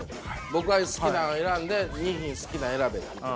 僕が好きなん選んで２品好きなん選べって。